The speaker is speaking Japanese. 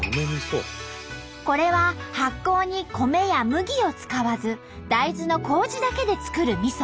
これは発酵に米や麦を使わず大豆のこうじだけでつくるみそ。